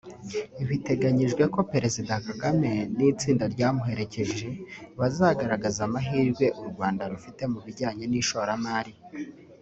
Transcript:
Biteganyijwe ko Perezida Kagame n’itsinda ryamuherekeje bazagaragaza amahirwe u Rwanda rufite mu bijyanye n’ishoramari